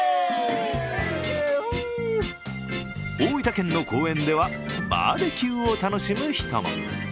大分県の公園ではバーベキューを楽しむ人も。